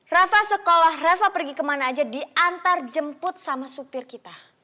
rafa sekolah rafa pergi kemana aja diantar jemput sama supir kita